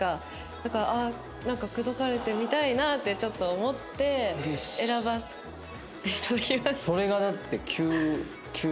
だからああなんか口説かれてみたいなってちょっと思って選ばせて頂きました。